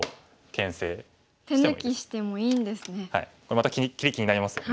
これまた切り気になりますよね。